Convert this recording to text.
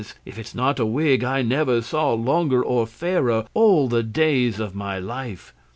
if it's not a wig, I never saw longer or fairer all the days of my life.